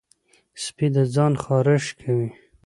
سپي د ځان خارش کوي.